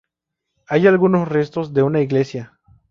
Hay algunos restos de una iglesia.